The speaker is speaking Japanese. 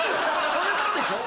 そういうことでしょ？